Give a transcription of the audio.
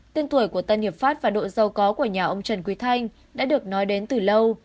tên tuổi của tân hiệp pháp và đội giàu có của nhà ông trần quý thanh đã được nói đến từ lâu